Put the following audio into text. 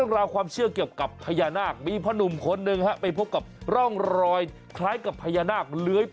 โดยเฉพาะอย่างยิ่งเรื่องของความเชื่อ